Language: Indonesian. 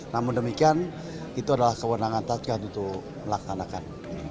namun demikian itu adalah kewenangan satgas untuk melaksanakan